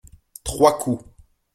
Trois coups.